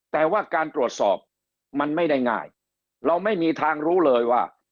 แต่ว่าการตรวจสอบมันไม่ได้ง่ายเราไม่มีทางรู้เลยว่า